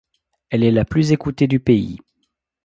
Elle est la plus écoutée du pays.